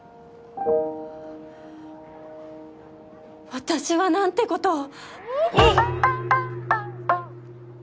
私は何てことを！